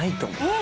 え！